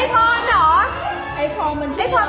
กลับมารมันทราบ